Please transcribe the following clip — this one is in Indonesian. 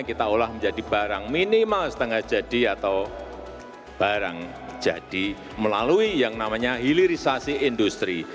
kita olah menjadi barang minimal setengah jadi atau barang jadi melalui yang namanya hilirisasi industri